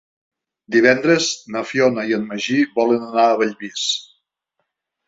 Divendres na Fiona i en Magí volen anar a Bellvís.